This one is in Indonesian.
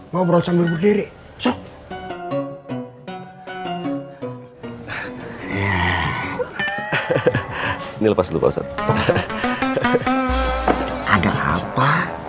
mau berosong berdiri cok ini lepas lupa ustadz ada apa